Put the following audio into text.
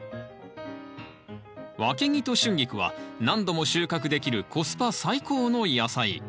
ワケギとシュンギクは何度も収穫できるコスパ最高の野菜。